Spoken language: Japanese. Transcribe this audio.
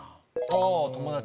あぁ友達。